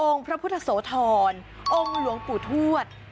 องค์พระพุทธโสธรองค์หลวงปุถวช